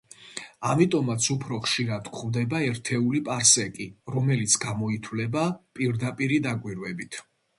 ამიტომაც უფრო ხშირად გვხვდება ერთეული პარსეკი, რომელიც გამოითვლება პირდაპირი დაკვირვებით.